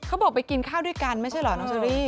เขาบอกไปกินข้าวด้วยกันไม่ใช่เหรอน้องเชอรี่